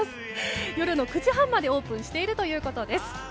夜の９時半までオープンしているということです。